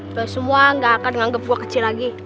udah semua nggak akan nganggep gue kecil lagi